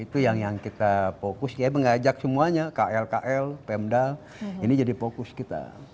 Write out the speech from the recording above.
itu yang kita fokus ya mengajak semuanya kl kl pemda ini jadi fokus kita